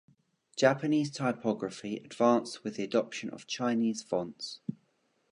Japanese typography advanced with the adoption of Chinese fonts.